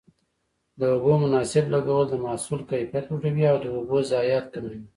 د اوبو مناسب لګول د محصول کیفیت لوړوي او د اوبو ضایعات کموي.